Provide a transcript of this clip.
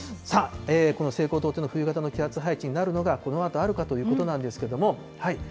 この西高東低の冬型の気圧配置になるのが、このあとあるかということなんですけれども。